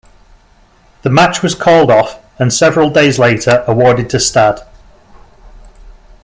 The match was called off, and several days later, awarded to Stade.